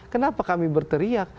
kenapa kami berteriak